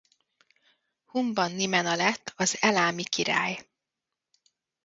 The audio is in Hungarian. Humban-Nimena lett az elámi király.